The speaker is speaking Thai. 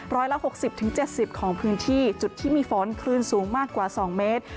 ร้อยละ๖๐๗๐ของพื้นที่จุดที่มีฝนคลื่นสูงมากกว่า๒เมตร